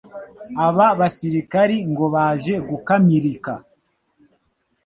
Aba basirikari ngo baje gukamirika